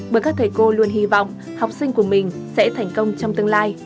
bởi các thầy cô luôn hy vọng học sinh của mình sẽ thành công trong tương lai